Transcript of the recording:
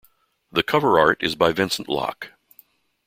The cover art is by Vincent Locke.